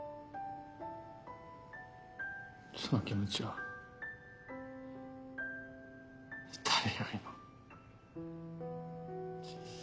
その気持ちは誰よりも。